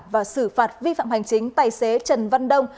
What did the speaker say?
và xử phạt vi phạm hành chính tài xế trần văn đông